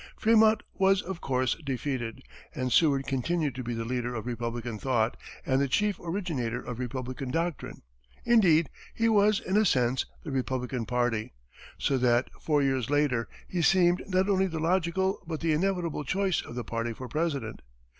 Frémont was, of course, defeated, and Seward continued to be the leader of Republican thought, and the chief originator of Republican doctrine. Indeed, he was, in a sense, the Republican party, so that, four years later, he seemed not only the logical but the inevitable choice of the party for President.